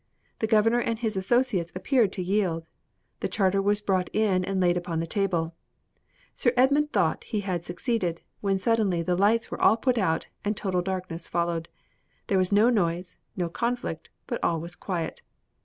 The governor and his associates appeared to yield. The charter was brought in and laid upon the table. Sir Edmund thought that he had succeeded, when suddenly the lights were all put out, and total darkness followed. There was no noise, no conflict, but all was quiet.